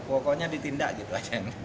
pokoknya ditindak gitu aja